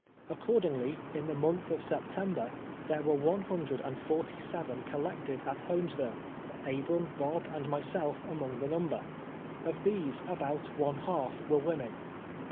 Accord ingly, in the month of September, there were one hundred and forty seven collected at llolmesville, Ahram, Bob and myself among the number. Of these about one half were women.